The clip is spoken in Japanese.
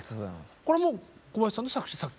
これも小林さんの作詞作曲？